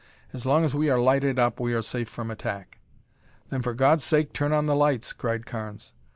As long as we are lighted up we are safe from attack." "Then for God's sake turn on the lights!" cried Carnes.